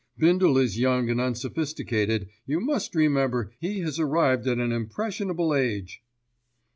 Bindle is young and unsophisticated, you must remember he has arrived at an impressionable age."